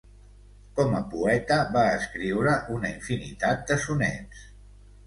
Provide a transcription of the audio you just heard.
Com a poeta va escriure una infinitat de sonets.